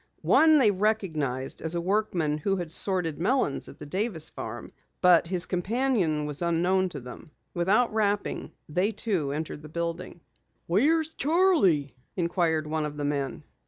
One they recognized as a workman who had sorted melons at the Davis farm, but his companion was unknown to them. Without rapping, they too entered the building. "Where's Charley?" inquired one of the men.